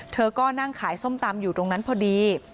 เธอก็นั่งขายส้มตำอยู่ตรงนั้นพอดี